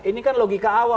ini yang bertarung anak saya